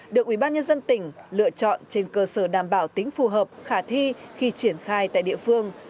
được ubnd tỉnh lựa chọn trên cơ sở đảm bảo tính phù hợp khả thi khi triển khai tại địa phương